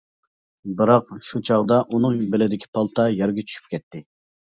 بىراق، شۇ چاغدا ئۇنىڭ بېلىدىكى پالتا يەرگە چۈشۈپ كەتتى.